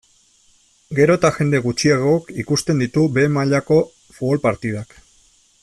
Gero eta jende gutxiagok ikusten ditu behe mailako futbol partidak.